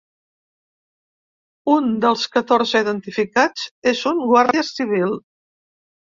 Un dels catorze identificats és un guàrdia civil.